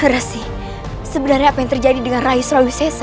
resi sebenarnya apa yang terjadi dengan rai esra wisesa